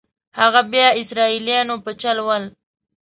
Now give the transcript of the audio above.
هغه بیا اسرائیلیانو په چل ول.